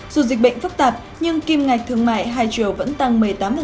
dù dịch bệnh phức tạp nhưng kim ngạch thương mại hai triệu vẫn tăng một mươi tám